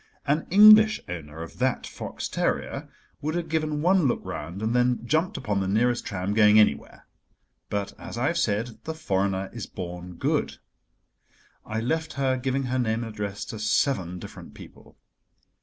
An English owner of that fox terrier would have given one look round and then have jumped upon the nearest tram going anywhere. But, as I have said, the foreigner is born good. I left her giving her name and address to seven different people.